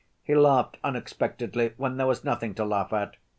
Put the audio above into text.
He laughed unexpectedly when there was nothing to laugh at.